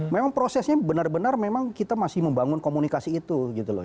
memang prosesnya benar benar memang kita masih membangun komunikasi itu gitu loh